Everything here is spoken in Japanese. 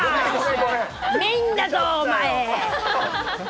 メインだぞ、お前。